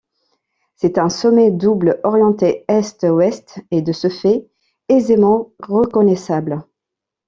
C'est un sommet double orienté est-ouest et de ce fait aisément reconnaissable.